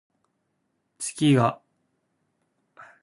月が冴え冴えと空にかかっていた。